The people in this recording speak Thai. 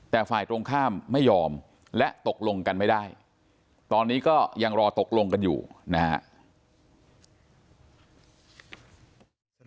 แต่ฝ่ายตรงข้ามไม่ยอมและตกลงกันไม่ได้ตอนนี้ก็ยังรอตกลงกันอยู่นะครับ